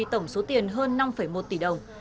tổng số tiền hơn năm một tỷ đồng